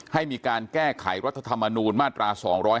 ให้มีการแก้ไขรัฐธรรมนูญมาตรา๒๗